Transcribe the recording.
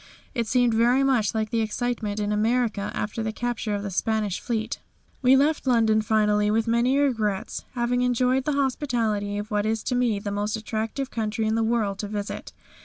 It seemed very much like the excitement in America after the capture of the Spanish Fleet. We left London finally with many regrets, having enjoyed the hospitality of what is to me the most attractive country in the world to visit.